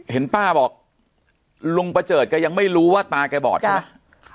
เห็นป้าบอกลุงปาเจิดก็ไม่รู้ว่าตาไก่บอดเนี่ย